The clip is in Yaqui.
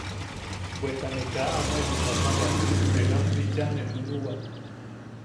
Bweta ne kaa ama yumaka bea, ne nam bicha ne nunuwak.